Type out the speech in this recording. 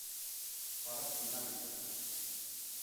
Palazzina Liberty